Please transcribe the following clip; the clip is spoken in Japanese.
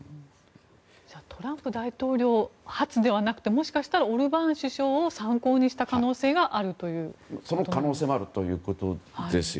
トランプ大統領が初ではなくてもしかしたらオルバーン首相を参考にした可能性があるということですか。